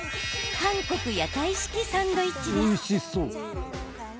韓国屋台式サンドイッチです。